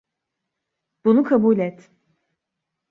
Bunu kabul et.